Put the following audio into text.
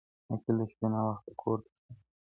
وکيل د شپې ناوخته کور ته ستون شو.